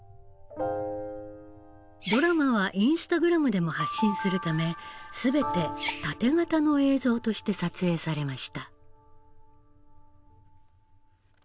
ドラマはインスタグラムでも発信するため全てタテ型の映像として撮影されました。